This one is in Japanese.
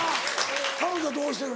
彼女はどうしてる？